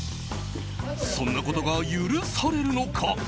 そんなことが許されるのか。